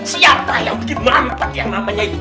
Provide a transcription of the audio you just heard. siapa yang bikin mampet yang namanya itu